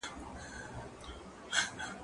تيري سوي زمانې دي